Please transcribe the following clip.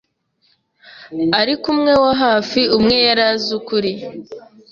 ariko umwe wa hafi umwe yari azi ukuri